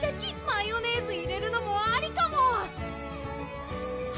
・マヨネーズ入れるのもありかも！